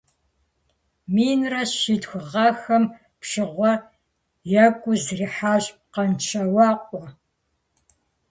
Минрэ щитху гъэхэм пщыгъуэр екӏуу зрихьащ Къанщауэкъуэ.